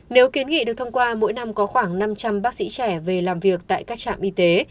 nếu kiến nghị được thông qua mỗi năm có khoảng năm trăm linh bác sĩ trẻ về làm việc tại các trạm y tế